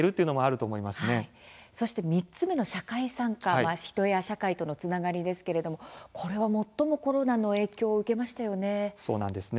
そして３つ目の社会参加人や社会とのつながりですがこれは最もコロナの影響を受けましたよね。